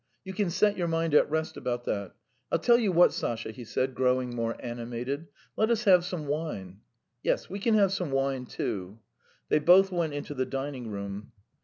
You can set your mind at rest about that. I'll tell you what, Sasha," he said, growing more animated; "let us have some wine." "Yes ... we can have some wine, too." They both went into the dining room.